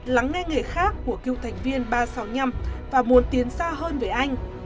lắng nghe nghề khác của cựu thành viên ba trăm sáu mươi năm và muốn tiến xa hơn với anh